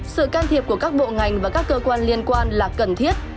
sự can thiệp của các bộ ngành và các cơ quan liên quan là cần thiết